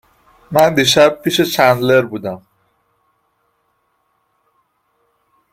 من دیشب پیش چندلر بودم